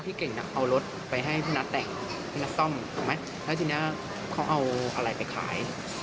เก่งน่ะเอารถไปให้พี่นัทแต่งพี่นัทซ่อมถูกไหมแล้วทีนี้เขาเอาอะไรไปขาย